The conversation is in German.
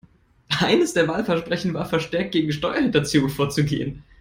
Eines der Wahlversprechen war, verstärkt gegen Steuerhinterziehung vorzugehen.